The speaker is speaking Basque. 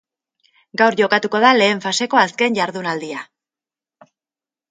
Gaur jokatuko da lehen faseko azken jardunaldia.